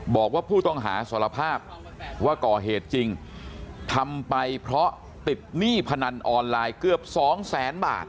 บอกว่าผู้ต้องหาสารภาพว่าก่อเหตุจริงทำไปเพราะติดหนี้พนันออนไลน์เกือบสองแสนบาท